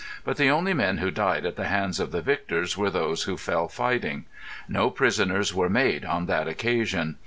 But the only men who died at the hands of the victors were those who fell fighting. No prisoners were made on that occasion.